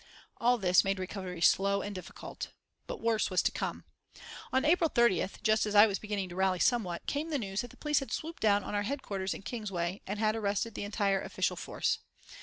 All this made recovery slow and difficult. But worse was to come. On April 30th, just as I was beginning to rally somewhat, came the news that the police had swooped down on our headquarters in Kingsway and had arrested the entire official force.